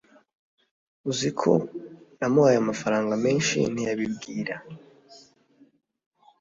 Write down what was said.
Uziko namuhaye amafaranga meshi ntiyabibwira